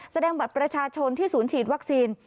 แสดงบัตรประชาชนที่ศูนย์ฉีดวัคซีน